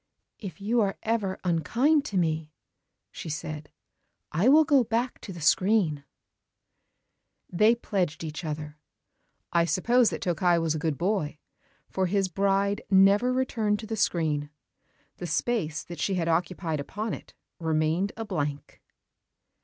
"If you are ever unkind to me," she said, "I will go back to the screen." They pledged each other. I suppose that Tokkei was a good boy, for his bride never returned to the screen. The space that she had occupied upon it remained a blank.